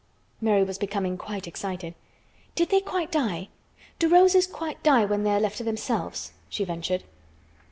Mary was becoming quite excited. "Did they quite die? Do roses quite die when they are left to themselves?" she ventured.